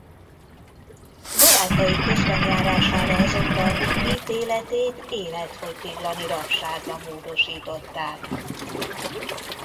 Barátai közbenjárására azonban ítéletét életfogytiglani rabságra módosították.